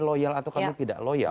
loyal atau kami tidak loyal